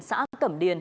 xã cẩm điền